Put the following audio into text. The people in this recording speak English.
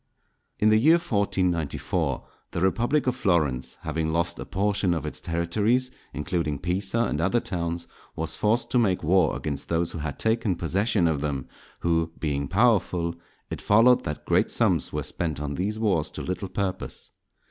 In the year 1494 the Republic of Florence, having lost a portion of its territories, including Pisa and other towns, was forced to make war against those who had taken possession of them, who being powerful, it followed that great sums were spent on these wars to little purpose.